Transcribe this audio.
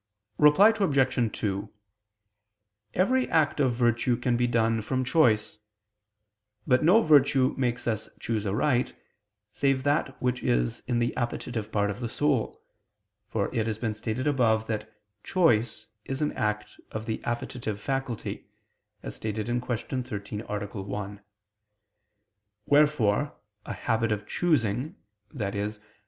_ Reply Obj. 2: Every act of virtue can be done from choice: but no virtue makes us choose aright, save that which is in the appetitive part of the soul: for it has been stated above that choice is an act of the appetitive faculty (Q. 13, A. 1). Wherefore a habit of choosing, i.e.